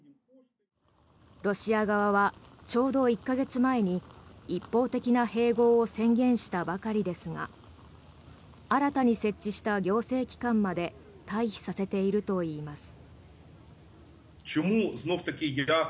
ロシア側はちょうど１か月前に一方的な併合を宣言したばかりですが新たに設置した行政機関まで退避させているといいます。